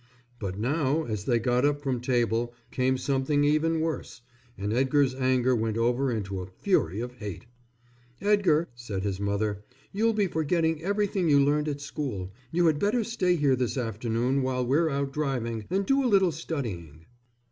But now, as they got up from table, came something even worse, and Edgar's anger went over into a fury of hate. "Edgar," said his mother, "you'll be forgetting everything you learned at school. You had better stay here this afternoon while we're out driving and do a little studying."